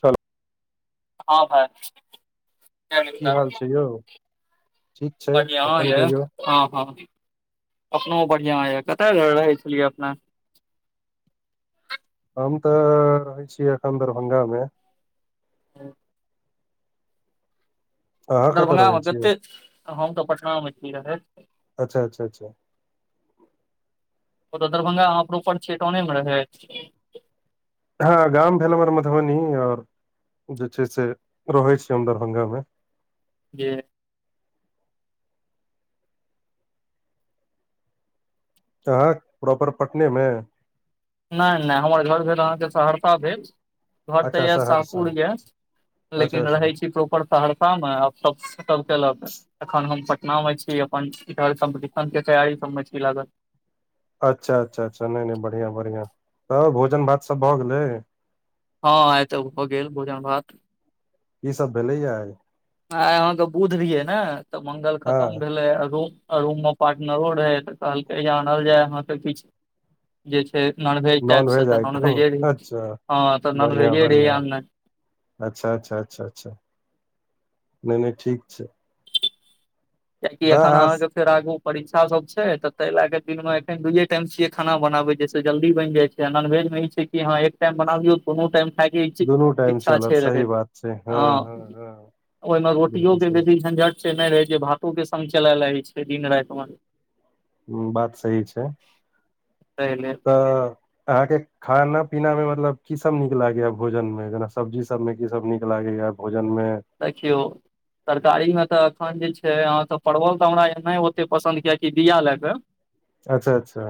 चलू हँ भइ की हाल छै यौ ठीक छै बढ़िया। हँ अपन कहियौ हँ, अपनहुँ बढ़िया। अहाँ कतय रहै छलहुँ? हम तऽ रहै छी अखन दरभंगा मे ह अहाँ कतऽ रहै दरभ्ंगामे छियै कतेक हम तऽ पटनामे छी रहैत अच्छाच्ाचा ओतऽ दरभंगा में परोपर आहाँ छी टाउने में रहेत हँ गाम भेल हमर मधुबनी और जे छै से रहे छी हम दरभंगा मे जे आहाक प्रॉपर पटने मे नहि नहि हमर घर भेल अहाँके सहरसा भेल घर तऽ अच्छा यऽ सहरसा साहपुर यऽ अच्छा लेकिन अच्छा रहै छी प्रॉपर सहरसामे आब सब क लाके अखन हम पटना मे छी अपन इ कम्पटिशन के तैयारी सभमे छी लागल अच्छा अच्छा अच्छा नहि नहि बढ़िआँ बढ़िआं त भोजन भात सब भऽ गेलै हँ एतऽ भ गेल भोजन भात की सब भेलैया आय आ अहाँके बुध रिये ने तऽ मंगल खतम हँ भेले रूम रूम मे पार्टनर रहै तऽ कहलकै जे आनल जाय, अहाँके किछ जे छै नॉनवेज नॉन टाइपसँ वेज तऽ आइटम नॉनवेजे अच्छा हँ तऽ बढ़िआँ नॉनभेजे रही बढ़िआँ आन नहि अच्छा अच्छा अच्छा अच्छा नहि नहि ठीक छै किया की तऽ एखन अहाँ अहाँके फेर आगू परीक्षा सब छै तऽ ता ले के दिन मे एखन दूये टाइम छियै खाना बनाबे जस जल्दी बनि जाय छै य नॉनवेज मे ई छै कि हाँ एक टाइम बानाबयो दुनू टाइम खाई के दुनू टाइम इच्छा चलत छाई सही रहाइत बात छै हँ हँ हँ ओहिमे रोटी बिलकुल के सही बेसि सहंझट नहि रहै जे भातोक संग चलैत रहै छै दिन-राति मे। हँ, बात सही छै। पहले त अहाँके खाना पीना मे मतलब की सब नीक लागे या भोजन मे जेना सब्जी सब में की सब नीक लागे या भोजन मे देखियौ तरकारी मे तऽ अखन जे छै, अहाँके परवल तऽ हमरा ओते पसन्द नहि छै, किएक तँ बीया लाय क अच्छा अच्छा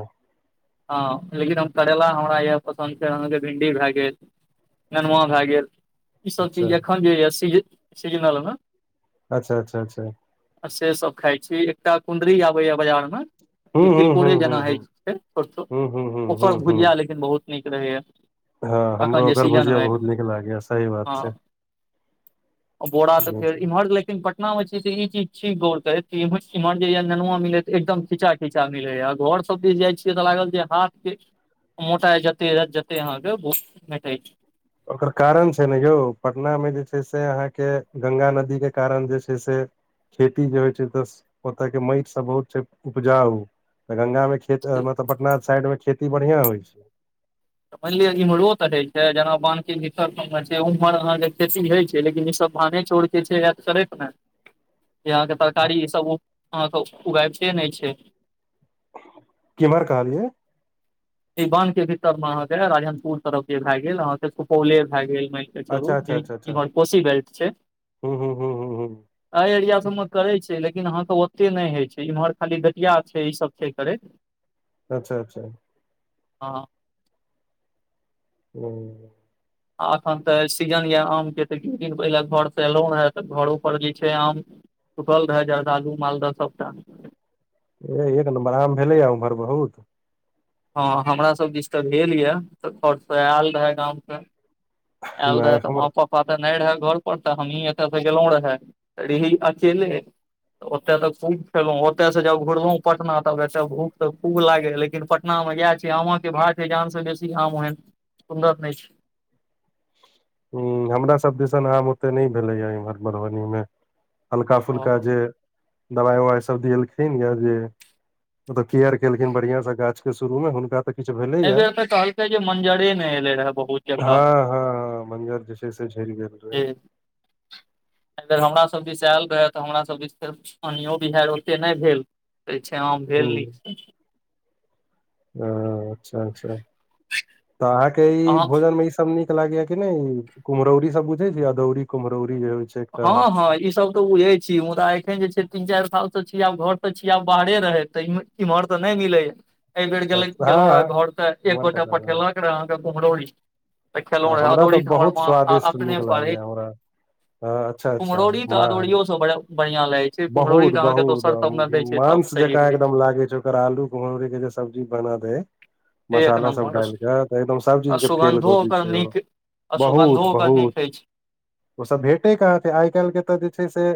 हँ लेकिन हम करैेल हमरा यए पसन्द छै अहाँके भिंडी भए गेल नेनुआ भए गेल इसभ चीज अच्छा एखन जे यए सीजनलमे अच्छा, अच्छा, अच्छा। से सब खाइ छी एकटा कुण्डरी आबैएा बाजारमे हूँ ई हूँ हूँ तिलकोरे हूँ जेना होई हूँ छै हूँ हूँ हूँ ओकर हूँ हूँ भुजिया लेकिन बहुत नीक रहैया हँ, अखन हमरा जे ओकर सीजन भुजिया मे बहुत नीक लगैत अछि, सही बात हँ छै। बोरा तऽ फेर इमहर, लेकिन पटना में जे छी ईचीज छी गेरत एमहर नेनुआ मिलेत एकदम खिजा खिच खीचा मिलैय घर सब दिस जाइ छियै तऽ लागल जे हाथ के मोटा जते जते अहाँके बहुत म मोटै छै ओकर कारण छै ने यौ पटनामे जे छै से अहाँके ग्ंगा नदीे कारण जे छै से खेती जे होइत छै, तऽ ओतऽक माटि सभ बहुत उपजाऊ छै, गंगाक कारणे। खेत मतलब पटना साइडमे खेती बढ़िया होइत छै। मानलिय इम्हरो तऽ हो छै जेना बान्ह के उम्हर अहाँ के खेती होय छै लेकिन ई बानहे चोरी छै चै ने [inaudible] ह [inaudible] ई अहाँके तरकारी सभ, अहाँके उगाबिते नहि छै। कमर कहलियै। सिवानक भीतरमे अहाँके राजनपुर तरफ भऽ गेल। अहाँके सुपौल भए गेल मान। [unintelligible] अच्छा अच्छा अच्छा अच्छा च कोशी बेलट छै हूँ हूँ हूँ हूँ एहि एरियाास हूँ सभमे करैत छै लेकिन अहाँके ओतेक नहि होइत छै इम्हर खाली घटिया छै ईसभ छै करैत अच्छा अच्छा हँ ओ आ एखन तऽ सीजन यए आमके तऽ किछु दिन पहिले घरसँ एलहुँ रहे तऽ घरोपर जे छै आम सुठल रहै जा आलू मालदह सबटा ए एक नम्बर आम भेलैए उमहर बहुत हँ हमरा सब दिस तऽ भेल ये खर्स आयल रहय गांव से नहि यदि हमर हम। [unintelligible] पता नहि रहै घर पर, तऽ हमहीं एतय सँ गेलहुँ रहे, रिहा अकेले। ओतय तऽ खूब खेलहुँं ओतय से जब घुरलहुँ पटना तब एतऽ भूख तऽ खूब लागै लेकिपट पटना मे इ है छै आमा के भाड़ के जान से बेसी आम ओहन सुन्दर नहि छै हू हमरा सब दिसन आम ओते नहि भेलैएह इमहर मधुबनी मे ओ हल्का-फुल्का जे दबाइ-उवाइ सभ देएलखिन, जे ओ तऽ केयर केलखिन बढ़िया स गाछ के शुरू मे हुनका तऽ किछु एहि भेलैया बेेर तऽ कहलकै जे मञ्जरे नहि एलै रहए बहुत जगह मञ्जर जे छैे से झरि गेल रहै एहि बेर हमरासब दिस आयल रहए तऽ हमरा सभ दिस फेर पानियो बिहारि ओते नहि भेल छै आम भेल नीक ह अच्छा अच्छा तऽ अहाँके ई अहाँ भोजन मे ई सब नीक लागे या कि नहि ई कुमहरौरी सब बुझे छै अदौरी कुमरौरी जे होइ छै एकटा हँ हँ ई सब तऽ बुझे छी मुदा एखन जे छै तीन चारि साल त छीय आब घर ते छीय आब बाहरे रहै तैमे इम्हर त नहि मिलैय बेर गेलों रह हँ घर त एक उमहर के गोटा तऽ पठेलक करग अहाके कुमहरोरी ए खेलौ हाँ, रहै हमरा तऽ अदोरी त हमर बहुत माँ आ स्वादिष्ट आपने नीक पढ़े लागैया हमरा हँ अच्छा अच्छा कुमहरोड़ी महग अदौड़ियो स ब बढ़ियां लागै छै कुम्हरौरी बहुत तऽ अहाँके बहुत दोसर सबमे दै छै तब मांस सही जकाँ रहै एकदम लागै छै ओकर आलू कुम्हरौङी सब्जी बना दै छै एक मसाला सब नम्बर डालिक तऽ एकदम सब आ चीज के फेल सुगन्धो कऽ दै ओकर छै ओ नीक आ सुगन्धो ओकर बहुत-बहुत नीक अछि ओसभ भेटै कहाँ छै आइ-काल्हि जे छै से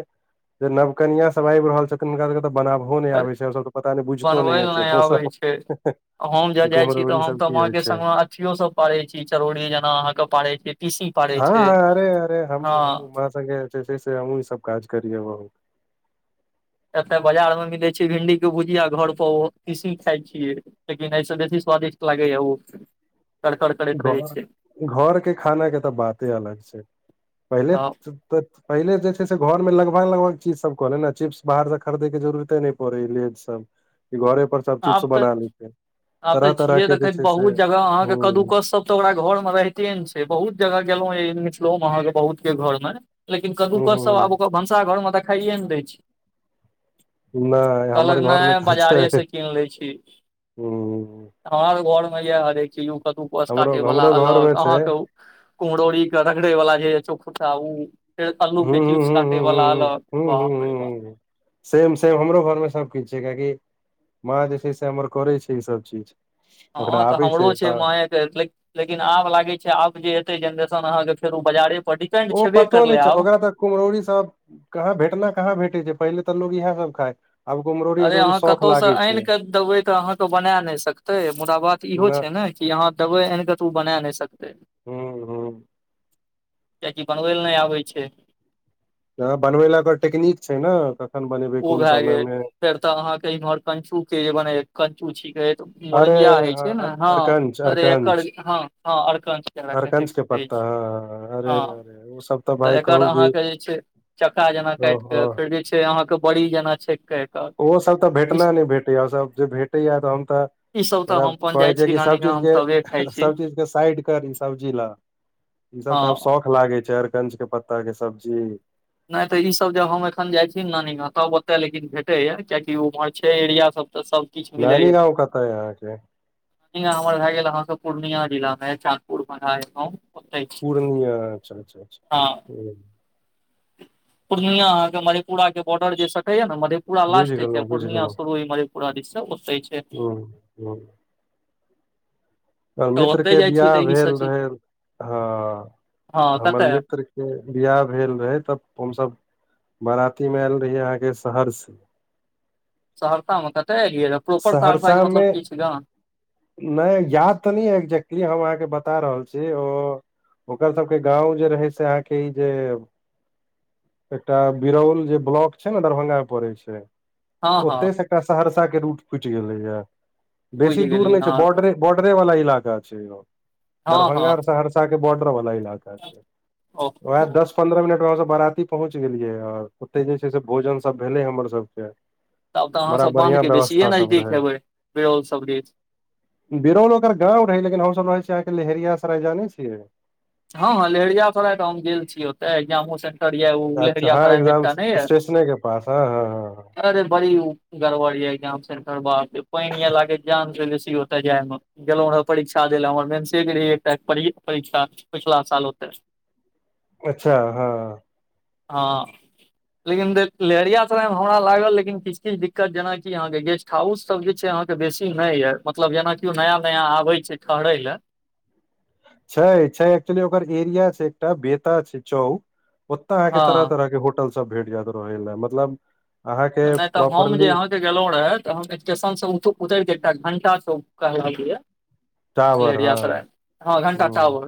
नवकनियाँ सभ आबि रहल छथिन, हुनका सभके बना हो नहि अरे आब छै सब त पता नहि बुझतो बनबै नहि लए हेथिन ओ आबै सब छै हम ज जाय छी तऽ हम तऽ की अहा होइ के छै सग मे अथियो सब पारै छी चरौरी जेना अहा के पारे छी तीसी पारै हँ छै हँ अरे अरे हँ हमु हमु मा संगे ई सब काज कर एतय बाजार में मिलै छै भिंडी के भुजिया घर पर किसी खाय छियै लेकिन आई स बेसि स्वादिष्ट लागे ए उ घर-घरके खाना के तऽ बाते अलग छै पहिले। तऽ पहिले जे छै से घर में लगभग लगभग चीज सब कले ने चिप्स बाहर से खरदे के जरुरत ने परै लिय सब ई घरे पर सब चिप्स आब तऽ बना लेते आब तऽ तरह तरह छियै के जे देखै छै से बहुत जगह अहाँके हूँ कदू कस सब तऽ ओकरा घर में रहिते ने छै बहुत जगह गेलों मिथिलों मे अहाँके बहुत के घर मे लेकिन कदू हूँ कस सभ हूँ आब ओकर भनसाघरमे देखाइए नै दै छै नहि हमर घरमे कहलकनाय तऽ छै बाजारसँ कि किन लै छी हूँ खान ध्यान मे ये हारेची यो कदूकस हमरो काटे वाला हमरो घरमे अलग छै अहाँके कुड़ीरी क रगड़े वला जे खूटा ओ फेर हूँ अल्लूके चिप्स हूँ काटे हूँ हूँ वला हूँ अलग हूँ हूँ बापड़े बा हूँ हूँ सेम सेम हमरो घर मे सब किछु छै किआकि माँ जे छै से हमर करे छै ई सब चीज हँ ओकरा तऽ आबै हमरो छै तऽ माय लेकिन आब लागै छै आब जे एते जेनरेशन अहाँके फेर ओ बाजारे पर डिपेंड छेबे करलै आब कुमहड़ीरी सब कहाँ भेटना कहाँ भेटै छै पहिले तऽ लोग इह सब खाय आब कुम्हरौरी अरे अदौरी अहाँ शौख कतहुसँ लागै आन छै कऽ देबै तऽ अहाँके बना नहि सकतै मुदा बात इहो न छै ने कि अहाँ दबै एन क त ओ बनाय नहि सकतै हँ हँ किआकि बनबै लए नहि आबै छै त बनबै ला ओकर टेकनीक छै ने कखन बनेबै ओ कोन भऽ समय गेल मे फेर तऽ अहाँके इमहर [unintelligible] किछु के जे बने किछु छै। अरे मोरमिया होइ छै ने हँ अरकंच अरे एकर अरकंच ह ह अरकंच कह तऽ अरकंच के पत्ता हँ अरे अरे ओ सब तऽ भाय एकर कहू कि अहाँके जे छै, चक्का जेना काटि ओहो कऽ फेर छै अहाँके बड़ी जेना छैन के ओहोसभ तऽ भेटना नहि भेटैया ओसभ जे भेटैया तऽहन तऽ ई सब तऽ पर हम आब अपन जाइ कहै छै छी कि नानी सभ गाम चीज हम के तबे खाइ छी सभ चीज के साइड करी ई सब्जी लऽ ई सब हँ तऽ आब शौख लागे छै अरकंज के पत्ता के सब्जी नहि तऽ ई सब जे हम एखन जाइ छी नानी गांव तब ओतय लेकिन भेटैया कियकि उम्हर छै एरिया सब तऽ सब किछु नानी मिलैएा गाँव कतऽ य अहाँके हियाॅं हमर भए गेल अहाँके पूर्णिया जिला मे चाकुर मघांए गांव पूर्णिया अच्छा अच्छा अच्छा हँ पूर्णिया अहाँके मधेपुरा के बॉर्डर जे सटैया ने मधेपुरा बुझि लास्ट हैछै गेलहुँ बुझि पूर्णिया शुरू इमहर पूरा दिशसँ ओतै छै ह ह त तऽ मित्र ओतै के जाइ छी बिवाह तऽ ई भेल सब चीज रहे हँ हँ हमर कतऽ मित्र बियाह भेल रहे तब हमसब बराती में आयल रहिय अहाँके शहरसे सहरता मे कते एलियै ए प्रोपर तार पाइ सहरसा के मे मतलब की छै जा नहि याद तऽ नहि एक्जेक्टली हम अहाँके बता रहल ऐ ओ ओकर सबके गाँंव जे रहै से अहाँके ई जे एकटा बिरौल जे ब्लॉक छै ने दरभंगा में परै छै हँ हँ ओते से एकटा सहरसा के रूट फुटि गेलैया बेसी बुझि दूर गेलियै नहि छै अहाँके बॉडरे बॉर्डरे वाला इलाका छै ओ हँ हँ दरभंगा और सहरसा के बॉर्डर वाला इलाका। छै ओ वएह दस पन्द्रह मिनट में बारती पहुँच गेलियै ओते जे छै से भोजन सब भेलै हमर सबके तब तऽ अहाँ बड़ा सब बान्ध बढ़िया के बेसीए व्यवस्था सब नजदीक रहे हेबै बिरौल सब दिस बिरौल ओकर गाँव रहै लेकिन हमस रहै छी अहाँके लहेरियासराय जाने छियै हँ हँ लहेरियासराय तऽ हम गेल छी ओते एग्जामो सेंटर यऽ ओ अच्छा लेहेरिया हँ, सराय मे एग्जाम एकटा नहि यऽ स्टेशनक पास हँ हॅं हॅं अरे बड़ी गड़बड़ य एग्जाम सेंटर बाप पानि यला के जाम छै बेसी होते जाय मे गेलहु रहऽ परीक्षा द लए हमर मेन्से के रहहि एकटा परीक्षा पिछला साल होते अच्छा हँ हँ लेकिन लहेरियासराय मे हमरा लागल लेकिन किछु किछु दिक्कत जेनाकी अहाँ के गेस्ट हाउस सब जे छै अहाँके बेसी नहि यऽ मतलब जेनाकिओ नया नया आबै छै ठहरय लए छै छै एक्चुली ओकर एरिया छै एकटा बेता छै चौक ओत अहाँके तरह हँ तरह के हो होटल सब भेट जायत रहै ल मतलब अहाँके प्रॉपरली गेलो रहे तऽ हम स्टेशन से उतर दे एकटा घंटा से कहले टावर हँ लहेरियासराय हँ, ह घंटा टावर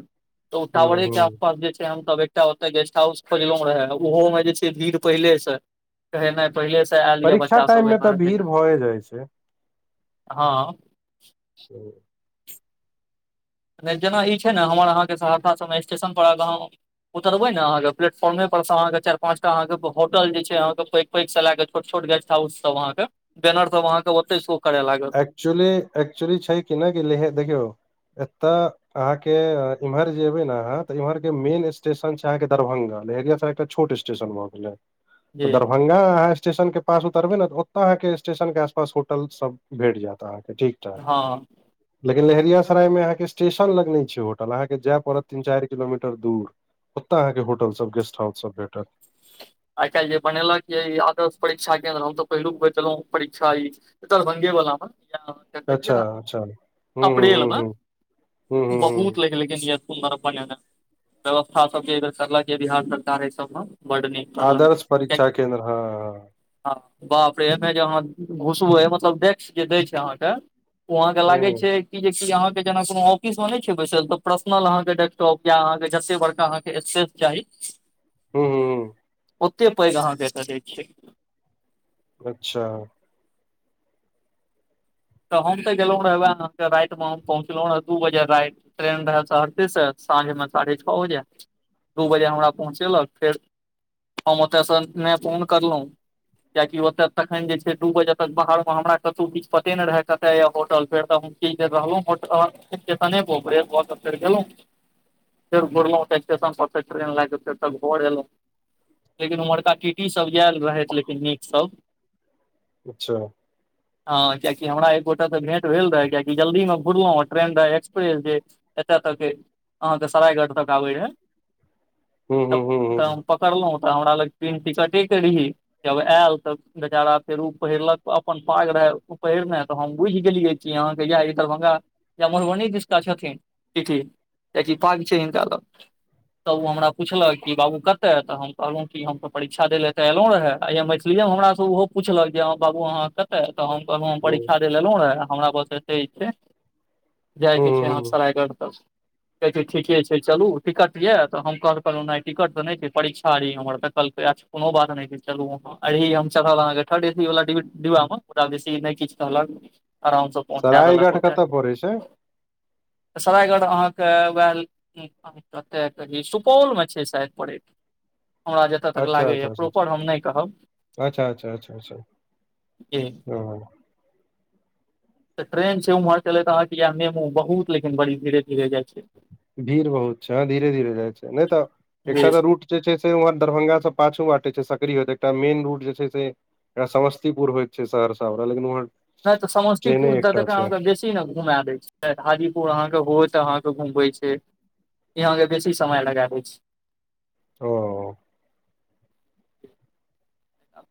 तऽ ओ ह टावरे ह के आसपास जे छै, हम एकटा ओते गेस्ट हाउस खोजलों रहे ओहो मे जे छै भीड़ पहिले से कहेनाइ पहिले से बच्च परीक्षा टाइम मे तऽ सब भीड़ भए जाइ ह ह नहि जेना ई छै ने हमर अहाँके सहरसा सभमे स्टेशन परहक गांव उतरबै ने अहाँके प्लेटफॉर्मे पर से अहांके चारि पांच टा अहांके होटल जे छै अहाके पैग पैक सँ लऽ कऽ छोट-छोट गेस्ट हाउस सभ अहाके बैनर सभ ओतऽ आहां के सो करै लाग। एक्चुली एक्चुली छै कि नहि ल देखियौ एत अहाँ के इम्हर जे एबे ने अहाँ त इम्हर के मेन स्टेशन छै। अहाँके दरभंगा लहेरियासराय एकटा छोट स्टे शन भ गेलै जी दरभंगा अहाँ स्टेशन के पास उतरबै ने ओतय अहाँके स्टेशन के आसपास होटल सब भेट जात अहाँके ठीक ठाक हँ लेकिन लहेरियासराय मे अहाँके स्टेशन लग नहि छै होटल अहाँके जाय पड़त तीन चारि किलोमीटर दूर ओतय अहाँके होटल सब गेस्ट हाउस सब भेटत आइ काल्हि जे बनेलक ये ई आदर्श परीक्षा केंन्द्र हम तऽ पहिलुक बेर देलहुं परीक्षा ई दरभंगे वाला में अच्छा अच्छा हूँ हूँ अप्रिल हूँ में हूँ हूँ लेकिन हूँ हूँ बहुत। ने व्यवस्था सबर करलक य बिहार सरकार एहि सब मे बड नीक करलक आदर्श ये परीक्षा केंन्द्र हँ हँ बाप रे एहिमे जे अहाँ घुसबै मतलब डेक् जे दै छै अहाँके वहाँं के हँ लागै हूँ छै अहाँके जेना कोनो ऑफिस मे नहि छै बैसल तऽ पर्सनलहके डेस्टॉप या अहाँके जते बड़का अहाँके स्पेस चाही हू हू ओते पैघ अहाँके तदैत छै अच्छा तऽ हम तऽ गेलहुँ रहे, ओहि रातिमे हम दू बजे राति पहुँचलहुँ रह। ट्रेन रह सहरदीसँ साँझमे साढ़े छओ बजे दू बजे हमरा पहुँचेलक फेर हम ओतयसँ नहि फोन करलहुँ किएक तँ ओतऽ तखन जे छै, दू बजे तक बाहरमे हमरा कतहु किछु रहे के होटल फेर तऽ तू रहलहुँ, स्टेशन फेर गेलहुँ। [inaudible] फेर घुरलहुँ ट्रेन लऽ कऽ, फेर तऽ घर एलहुँ। लेकिन उम्हरका टीटी सब आयल रहथि लेकिन नीक सब अच्छा ह कियाकि हमरा एक गोटा त भेट भेल रहे कआकि जल्दी मे घुरलों ट्रेन रह एक्सप्रेस जे एतय तक अहाँके सरायगढ़ तक आबैत रहै हू तऽ हू हूँ तऽ हूँ हम पकड़लहुं तऽ हमरा लग तीन टिकटे के रहि जब आयल तऽ बेचारा फेर ओ पहिरलक अपन पाग रहय पहिरना तऽ हम बुझ गेलियै छी अहाँके या दरभंगा या मधुबनी दिशका छथिन पिथि किया कि पाग छै हिनका लग तऽ ओ हमरा पुछलक कि बाबू कतय तऽ हम कहलहुँ कि हम त परीक्षा देलेय एत एलो रहे आ हमेए सुलिए हमरासँ ओहो पुछलक जे बाबू अहाँ कते तऽ हम कहलहु हम हूँ परीक्षा दै लेल एलहुँ रहै हमरा बस एसे छै हूँ जाइके छै हूँ यहाँ हूँ सरायगढ़ तक कहै छै ठीके छै चलू टिकट यै तऽ हम कहलहुँ नहि टिकट तऽ नहि छै परीक्षा हमर वकल्प कोनो बात नहि छै अभि हम चढ़ब थर्ड एसी वाला ई नहि किछु कहलक आरामसँ पहुँचा देलक सरायघाट ओते कतऽ पड़ै छै सरायगढ़ अहाँके वएह अतय कही सुपौल में छै शायद पड़ैत हमरा जतय तक अच्छा लागैए अच्छा अच्छा प्रॉपर अच्छा हम नहि कहब अच्छा जी ह [inaudible] तऽ ट्रेन छै उम्हर चलैत अहाँके इया ने मेमो बहुत लेकिन बड़ी धीरे धीरे जाइ छै भीड़ बहुत छै हँ धीरे धीरे जाइ छै नहि तऽ जी एकटा तऽ रूट जे छै से वहाँ दरभंगा स पाछू बाटे छै सकरी होइत एकटा मेन रूड जे छै से एकटा समस्तीपुर होइ छै सहरसा ओ लेकिन ओर नहि तऽ समस्तीपुर द देका अहाँ सब जे चि ने घुमा दै छै हाजीपुर अहाँके होत अहाँके घुमबै छै इ यहाँं के बेसी समय लगा दैछ ओ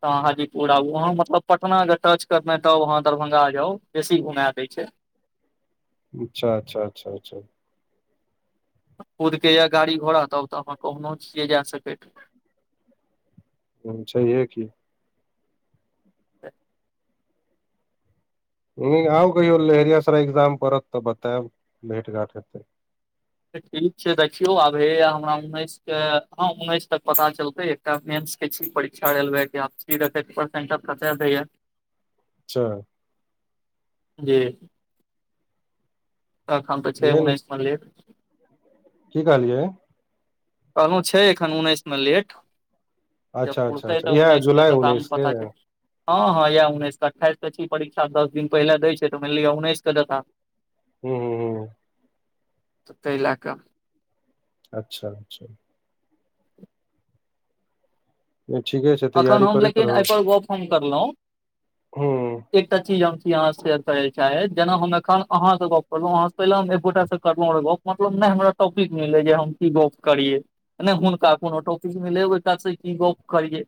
तह हाजीपुर आउ उहाँ मतलब पटना के टच करने त उ अहाँ दरभंगा जाउ बेसी घुमा देय छै अच्छा अच्छा अच्छा अचा खुदके यै गाड़ी घोड़ा तब तऽ अहाँ कहनो छियै जा सकैत हूंम्म छैहे की [inaudible] नी आउ कहियो लहेरियासराय एग्जाम पड़त तऽ बतेब भेट घांट हेतै ठीक छै देखियौ आबे हे हमरा उन्नैसके हँ उन्नैस तक पता चलतै [unintelligible] मेंस के छी परीक्षा रेलवे [unintelligible] अच्छा जी अखन तऽ छै नहि नहि उन्नैस मे लेट की कहलियै कहलहुँ छै एखन उन्नैस मे लेट जब अच्छा अच्छा उड़तै [unintelligible] है अच्छा तऽ इएह उनैस के जुलाई तऽ आब उन्नैस के पता हूँ चल हँ हँ यएह उन्नैस के अठाइस के छी परीक्षा दस दिन पहिले दै छै तऽ मानि लिअ उन्नैस क देता हूंम्म हूंम्म हूंम्म ताहि लै कऽ अच्छा अच्छा ठीके छै अखन तैयारी हम करैत लेकिन रहू एहिपर गप हम करलहुँ हूँ एकटा चीज हम छी यहाँ सेेयर करय एकटा चीज जन्छि अहाँ से चाहे जेना हम एखन अहाँ से गप करलोंह पहिले हम एकगोटा से करलों अगर गप मतलब नहि हमरा टॉपिक मिलैये जे हम की गप करियै नहि हुनका कोनो टौपिक मिले ओ की गप करियै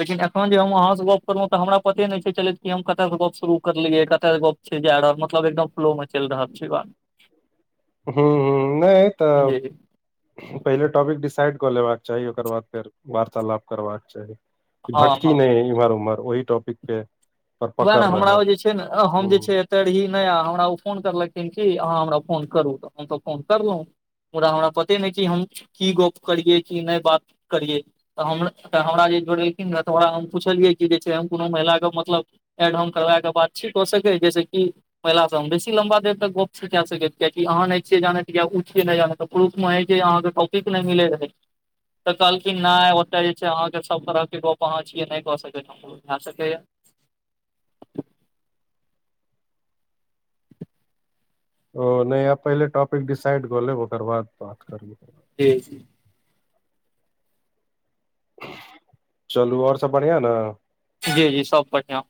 लेकिन एखन जे हम अहाँ से गप करलहुं तऽ हमरा पते नहि छै चलैत कि हम कतय से गप शुरू करलियै कतय से गप जार मतलब एकदम फ्लो मे चलि रहल छै बात हूंम्म हूंम्म नहि तऽ जी पहिले टॉपिक डिसाइड कऽ लेबाक चाही ओकर बाद फेर वार्तालाप करबाक चाही हँ हँ भटकी नहि इम्हर उमहर ओहि टॉपिक पे पर वएह ने पकड़ हमरा रहै ओ जे छै ने ऐंह हम जे हूँ छै तरही नया हमरा ओ फोन करलखिन कि अहाँ हमरा फोन करू तऽ हम तऽ फोन करलहुँ पुरा हमरा पते नहि कि हम की गप करियै की नहि बात करियै तऽ हम तऽ हमरा जे जोड़लखिन रहए तऽ ओकरा हम पुछलियै कि जे छै हम कोनो महिलाके मतलब एड हम करबायके बाद ठीक हो सकै जैसे की पहिलासँ हम बेसी लम्बा देर तक गप [unintelligible] कैए सकै छी कियकि अहाँ नइ छियै जानै कि उ छियै जानय त ग्रुप मे है जे अहाँके टाॅपिक नइ मिलै रहै तऽ कहलखिन नहि ओतय जे छै अहाँके सब तरहके गप अहाँ छियै नहि कऽ सकैत भे सकैए ओ नहि आ पहिले टॉपिक डिसाइड कऽ लेब ओकर बाद बात करब जी जी चलू और सब बढ़ियाँ ने जी जी सब बढ़ियाँ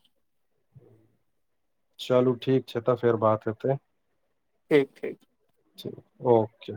चलू ठीक छै तऽ फेर बात हेतै ठीक ठीक ठीक ओके